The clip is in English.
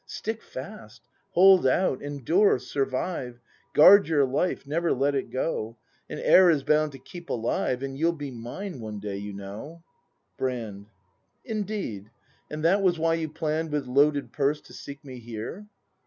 Stick fast; hold out; endure; survive! Guard your life! Never let it go! An heir is bound to keep alive, — And you'll be mine — one day — you know Brand. Indeed ? And that was why you plann'd With loaded purse to seek me here.?